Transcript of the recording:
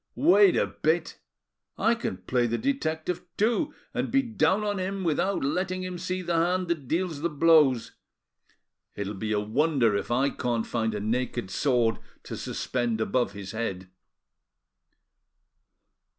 Wait a bit! I can play the detective too, and be down on him without letting him see the hand that deals the blows. It'll be a wonder if I can't find a naked sword to suspend above his head."